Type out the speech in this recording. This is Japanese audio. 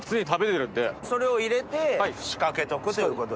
それを入れて仕掛けとくということですね。